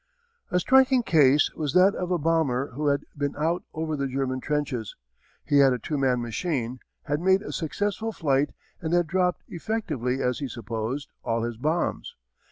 A striking case was that of a bomber who had been out over the German trenches. He had a two man machine, had made a successful flight and had dropped, effectively as he supposed, all his bombs.